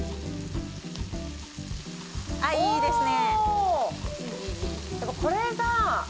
いいですね。